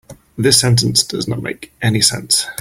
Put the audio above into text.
This sentence does not make any sense.